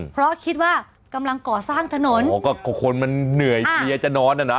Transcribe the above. เพราะคิดว่ากำลังก่อสร้างถนนอ๋อก็คนมันเหนื่อยเพลียจะนอนน่ะนะ